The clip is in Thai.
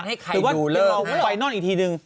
หรือว่าเราไฟนอนอีกทีนึง